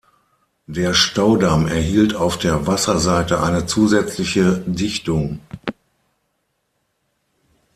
Der Staudamm erhielt auf der Wasserseite eine zusätzliche Dichtung.